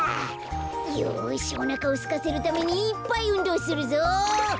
よしおなかをすかせるためにいっぱいうんどうするぞ。